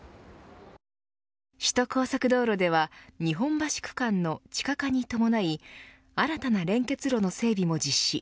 首都高速道路では日本橋区間の地下化に伴い新たな連結路の整備も実施。